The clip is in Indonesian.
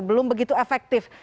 belum begitu efektif